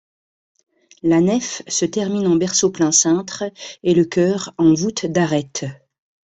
La nef se termine en berceau plein-cintre et le chœur en voûte d'arête.